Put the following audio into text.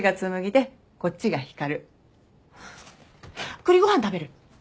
栗ご飯食べる？